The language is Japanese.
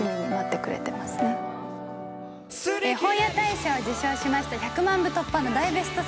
本屋大賞を受賞しました１００万部突破の大ベストセラー